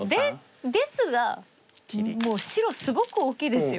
ですがもう白すごく大きいですよ。